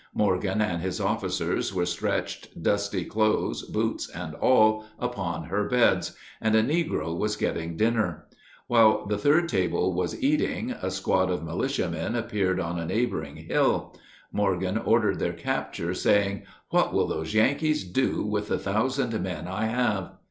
Morgan and his officers were stretched, dusty clothes, boots, and all, upon her beds, and a negro was getting dinner. While the third table was eating, a squad of militiamen appeared on a neighboring hill. Morgan ordered their capture, saying, "What will those Yankees do with the thousand men I have?"